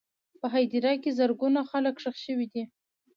په هدیره کې زرګونه خلک ښخ شوي دي.